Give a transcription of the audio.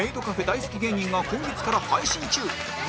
大好き芸人が今月から配信中